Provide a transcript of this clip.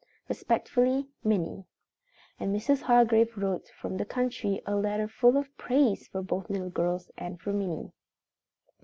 "Respectfully, "MINNIE." And Mrs. Hargrave wrote from the country a letter full of praise for both little girls and for Minnie.